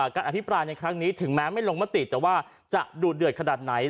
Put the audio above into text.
การอภิปรายในครั้งนี้ถึงแม้ไม่ลงมติแต่ว่าจะดูดเดือดขนาดไหน